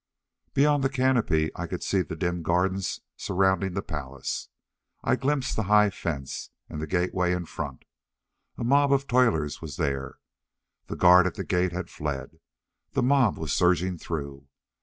Beyond the canopy I could see the dim gardens surrounding the palace. I glimpsed the high fence, and the gateway in front. A mob of toilers was there. The guard at the gate had fled. The mob was surging through.